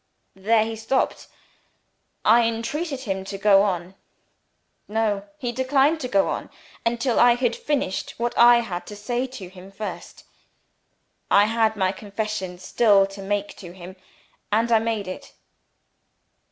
There he stopped. I entreated him to go on. No! He declined to go on until I had finished what I had to say to him first. I had my confession still to make to him and I made it."